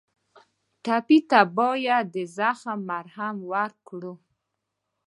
ټپي ته باید د زخم مرهم ورکړو.